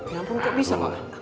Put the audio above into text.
ya ampun kok bisa